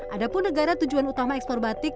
ada pun negara tujuan utama ekspor batik